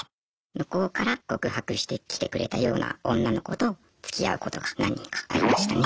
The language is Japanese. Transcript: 向こうから告白してきてくれたような女の子とつきあうことが何人かありましたね。